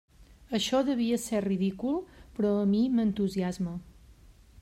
Això devia ser ridícul, però a mi m'entusiasma.